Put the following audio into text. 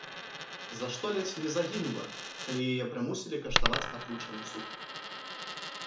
За што ледзь не загінула, калі яе прымусілі каштаваць атручаны суп.